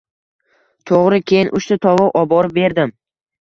To‘g‘ri, keyin uchta tovuq oborib berdim.